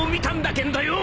けんどよぉ